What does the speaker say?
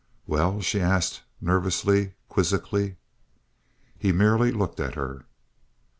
"Well?" she asked, nervously, quizzically. He merely looked at her.